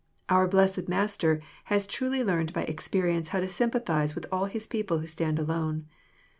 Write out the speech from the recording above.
Our blessed Master has truly learned by experience how to sympathize with all his people who stand alone.